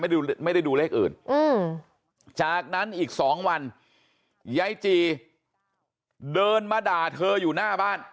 ไม่ได้ดูเลขอื่นจากนั้นอีกสองวันยายจีเดินมาด่าเธออยู่หน้าบ้าน